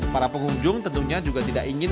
para pengunjung tentunya juga tidak ingin